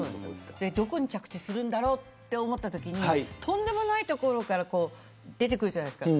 どこに着地するんだろうと思ったときにとんでもないところから出てくるじゃないですか。